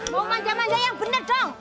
mau manja manja yang bener dong